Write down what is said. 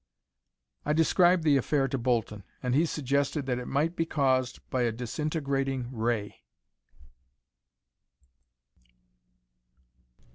"I described the affair to Bolton and he suggested that it might be caused by a disintegrating ray."